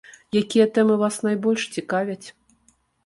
Якія тэмы вас найбольш цікавяць?